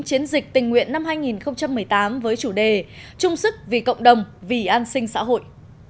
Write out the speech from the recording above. chiến dịch tình nguyện năm hai nghìn một mươi tám với chủ đề trung sức vì cộng đồng vì an sinh xã hội